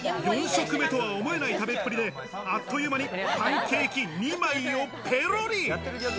４食目とは思えない食べっぷりで、あっという間に、パンケーキ２枚をペロリ。